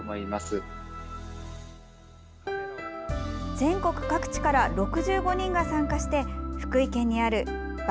全国各地から６５人が参加して福井県にある萬